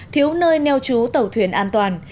thiếu nơi neo chú tàu thuyền an toàn